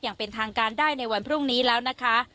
อย่างเป็นทางการได้ในวันพรุ่งนี้แล้วนะคะ